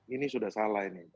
ini sudah salah ini